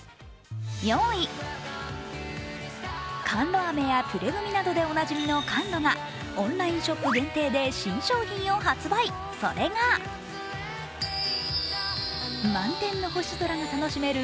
４位、カンロ飴やピュレグミなどでおなじみのカンロがオンラインショップ限定で新商品を発売、それがそれが、満天の星空が楽しめる